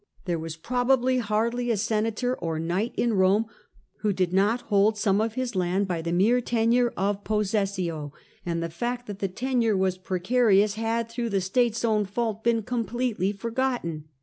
There was probably hardly a senator or a knight in Rome who did not hold some of his land by the mere tenure of possession and the fact that the tenure was precarious had (through the state's own fault) been completely forgotten.